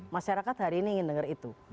masyarakat hari ini ingin dengar itu